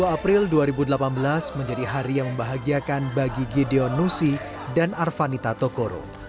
dua puluh april dua ribu delapan belas menjadi hari yang membahagiakan bagi gedeon nusi dan arvanita tokoro